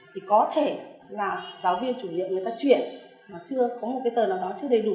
thì có thể là giáo viên chủ nhiệm người ta chuyển mà chưa có một cái tờ nào đó chưa đầy đủ